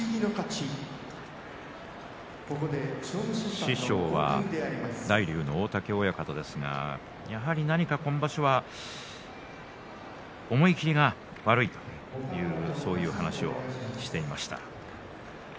師匠は大嶽親方ですが何か今場所は思い切りが悪いとそういう話をしていました。